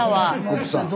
奥さん。